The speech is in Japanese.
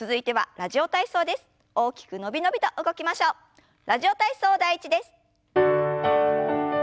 「ラジオ体操第１」です。